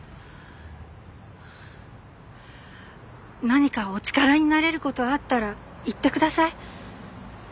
何かお力になれることあったら言って下さい。